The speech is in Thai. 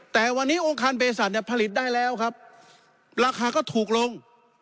แต่วันนี้องค์การเพศสัตว์เนี่ยผลิตได้แล้วครับราคาก็ถูกลง